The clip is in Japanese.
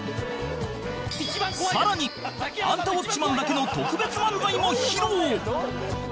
更に『アンタウォッチマン！』だけの特別漫才も披露！